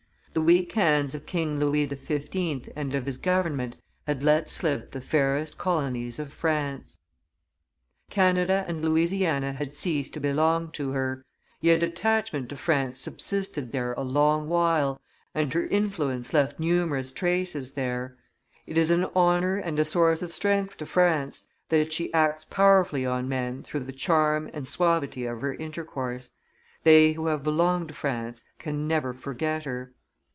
The weak hands of King Louis XV. and of his government had let slip the fairest colonies of France, Canada and Louisiana had ceased to belong to her; yet attachment to France subsisted there a long while, and her influence left numerous traces there. It is an honor and a source of strength to France that she acts powerfully on men through the charm and suavity of her intercourse; they who have belonged to France can never forget her.